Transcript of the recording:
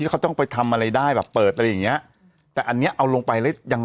อีกหน่อยเขาบอกเปลี่ยนเป็นไฟเบอร์ออปติก